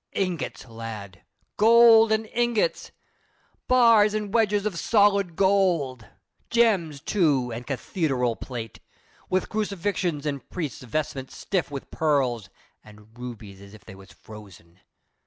"Ingots, lad golden ingots! Bars and wedges of solid gold! Gems, too, and cath e deral plate, with crucifixions and priests' vestments stiff with pearls and rubies as if they was frozen.